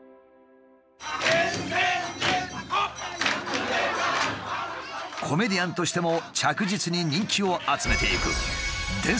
「電線にスズメが３羽」コメディアンとしても着実に人気を集めていく。